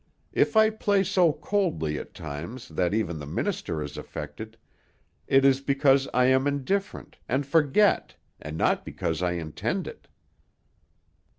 If I play so coldly at times that even the minister is affected, it is because I am indifferent, and forget, and not because I intend it."